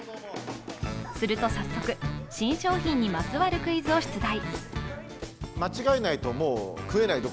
すると早速、新商品にまつわるクイズを出題。